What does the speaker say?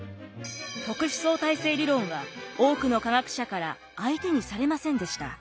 特殊相対性理論は多くの科学者から相手にされませんでした。